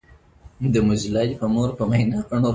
مبتداء له خبر سره سمون او مطابقت لري.